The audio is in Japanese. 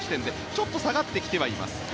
ちょっと下がってきてはいます。